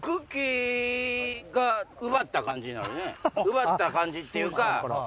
奪ったっていうか。